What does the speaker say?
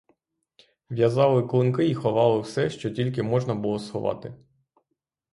В'язали клунки й ховали все, що тільки можна було сховати.